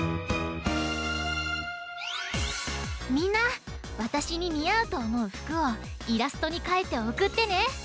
みんなわたしににあうとおもうふくをイラストにかいておくってね！